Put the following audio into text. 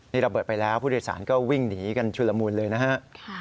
นี่ระเบิดไปแล้วผู้โดยสารก็วิ่งหนีกันชุลมูลเลยนะฮะ